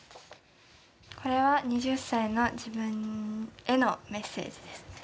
これは２０歳の自分へのメッセージです。